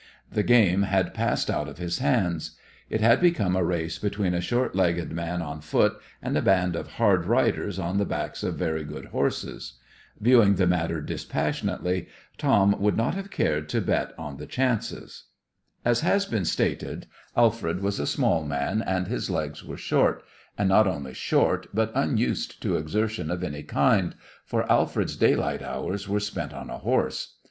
The game had passed out of his hands. It had become a race between a short legged man on foot and a band of hard riders on the backs of very good horses. Viewing the matter dispassionately, Tom would not have cared to bet on the chances. As has been stated, Alfred was a small man and his legs were short and not only short, but unused to exertion of any kind, for Alfred's daylight hours were spent on a horse.